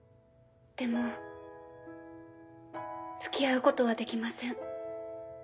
でも付き合うことはできません。